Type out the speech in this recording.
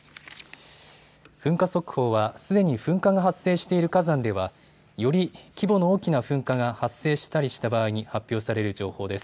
噴火速報は、すでに噴火が発生している火山ではより規模の大きな噴火が発生したりした場合に発表される情報です。